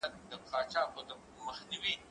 زه کولای سم کتابونه وړم،